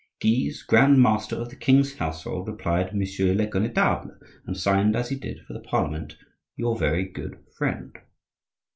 Guise, Grand Master of the king's household, replied "Monsieur le connetable," and signed, as he did for the Parliament, "Your very good friend."